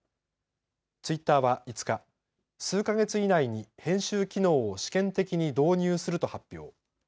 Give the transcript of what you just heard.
ツイッターは５日、数か月以内に編集機能を試験的に導入すると発表。